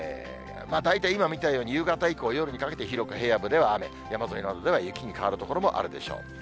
大体今見たように、夕方以降、夜にかけて広く平野部では雨、山沿いなどでは雪に変わる所もあるでしょう。